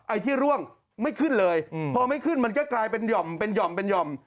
ไอ้ที่ร่วงไม่ขึ้นเลยพอไม่ขึ้นมันก็กลายเป็นหย่อมเป็นหย่อมเป็นหย่อม